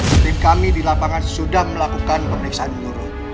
memberitah kami dilapangan sudah melakukan periksaan jurul